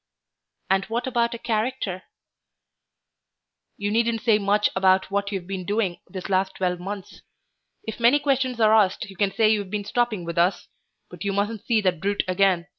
"And what about a character?" "You needn't say much about what you've been doing this last twelve months; if many questions are asked, you can say you've been stopping with us. But you mustn't see that brute again.